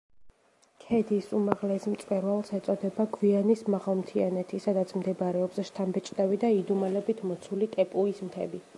ქედის უმაღლეს მწვერვალს ეწოდება გვიანის მაღალმთიანეთი, სადაც მდებარეობს შთამბეჭდავი და იდუმალებით მოცული ტეპუის მთები.